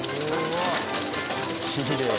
きれい。